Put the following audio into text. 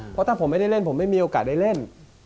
เพราะถ้าผมไม่ได้เล่นผมไม่มีโอกาสได้เล่น